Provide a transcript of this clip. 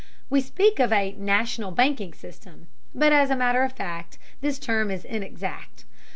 We speak of a "national banking system," but as a matter of fact this term is inexact.